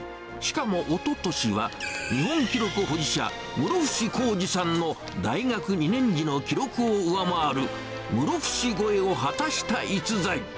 しかもおととしは日本記録保持者、室伏広治さんの大学２年時の記録を上回る室伏超えを果たした逸材。